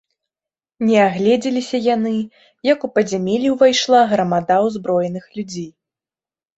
Не агледзеліся яны, як у падзямелле ўвайшла грамада ўзброеных людзей.